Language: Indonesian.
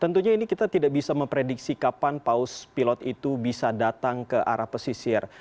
tentunya ini kita tidak bisa memprediksi kapan paus pilot itu bisa datang ke arah pesisir